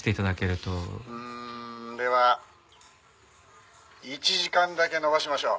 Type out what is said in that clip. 「うんでは１時間だけ延ばしましょう」